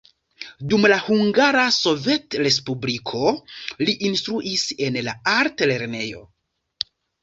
Dum la Hungara Sovetrespubliko li instruis en la altlernejo.